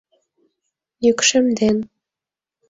Йӱкшемден.